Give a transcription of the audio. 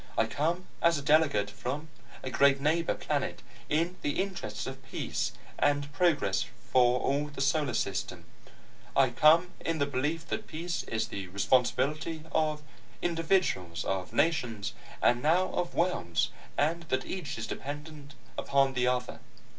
I come as a Delegate from a great neighbor planet, in the interests of peace and progress for all the solar system. I come in the belief that peace is the responsibility of individuals, of nations, and now of worlds, and that each is dependent upon the other.